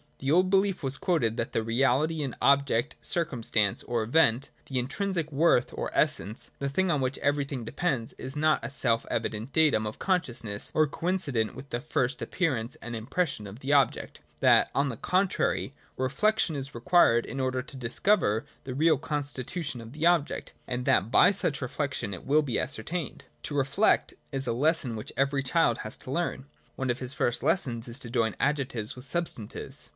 In § 5 the old belief was quoted that the reality in object, circumstance, or event, the intrinsic worth or essence, the thing on which everything depends, is not a self evident datum of consciousness, or coincident with the first appearance and impression of the object ; that, on the contrary, Reflection is required in order to dis cover the real constitution of the object — and that by such reflection it will be ascertained. To reflect is a lesson which even the child has to learn. One of his first lessons is to join adjectives with substantives.